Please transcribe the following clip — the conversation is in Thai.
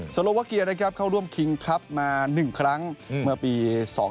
สโลวัคเกียร์เข้าร่วมคิงคลับมา๑ครั้งเมื่อปี๒๕๔๗